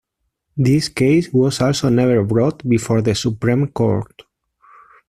This case was also never brought before the Supreme Court.